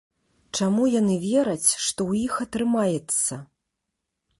Чаму яны вераць, што ў іх атрымаецца?